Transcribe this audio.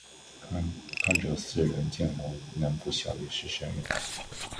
看着似人建模能不笑也是神人